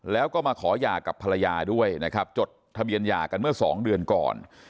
แล้วก็มาขอหย่ากับภรรยาด้วยนะครับจดทะเบียนหย่ากันเมื่อสองเดือนก่อน